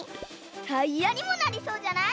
タイヤにもなりそうじゃない？